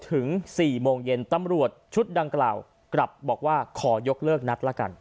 ถึง๔โมงเย็นตำรวจชุดดังกล่าวกลับบอกว่าขอยกเลิกนัดละกัน